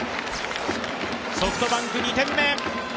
ソフトバンク、２点目！